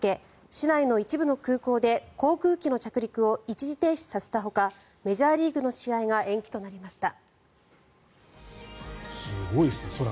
市内の一部の空港で航空機の着陸を一時停止させたほかメジャーリーグの試合が延期となりました。